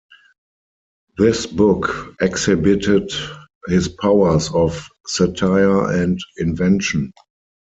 This book exhibited his powers of satire and invention.